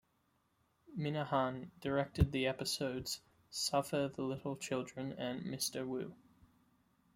Minahan directed the episodes "Suffer the Little Children" and "Mister Wu".